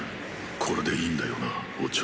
これでいいんだよなオチョ」。